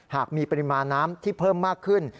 หากมีปริมาณน้ำที่เพิ่มมากขึ้น